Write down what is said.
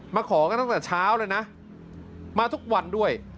ขอกันตั้งแต่เช้าเลยนะมาทุกวันด้วย